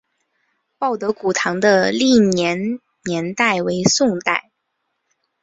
报德古堂的历史年代为宋代。